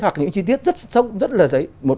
hoặc những chi tiết rất sống rất là đấy